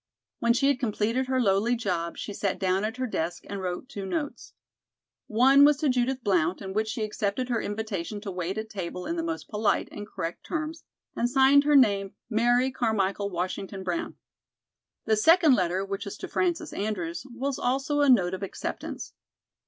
When she had completed her lowly job she sat down at her desk and wrote two notes. One was to Judith Blount, in which she accepted her invitation to wait at table in the most polite and correct terms, and signed her name "Mary Carmichael Washington Brown." The second letter, which was to Frances Andrews, was also a note of acceptance.